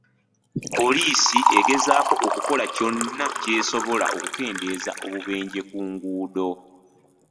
Poliisi egezaako okukola kyonna ky'esobola okukendeeza obubenje ku nguudo.